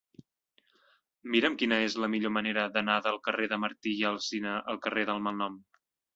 Mira'm quina és la millor manera d'anar del carrer de Martí i Alsina al carrer del Malnom.